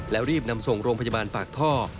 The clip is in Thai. แล้วรีบนำส่งโรงพยาบาลปากท่อ